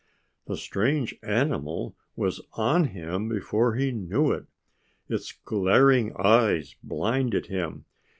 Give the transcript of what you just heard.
The strange animal was on him before he knew it. Its glaring eyes blinded him.